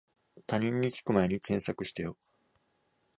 他人に聞くまえに検索してよ